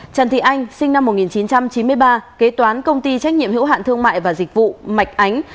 trần thị anh sinh năm một nghìn chín trăm chín mươi ba kế toán công ty trách nhiệm hữu hạn thương mại và dịch vụ mạch ánh